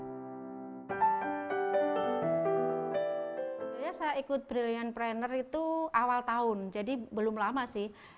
saya ikut brilliant pranner itu awal tahun jadi belum lama sih